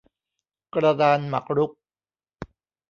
กระดานหมากรุก